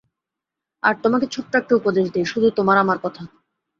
আর তোমাকে ছোট্ট একটা উপদেশ দেই, শুধু তোমার আমার কথা।